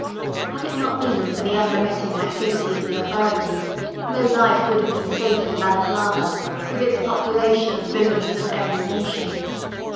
Had it not been for the unremitting activity of the authorities, no life would have been safe in Balaclava, with its population of villains of every nation.